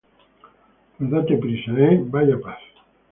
pues date prisa. ¡ eh! haya paz.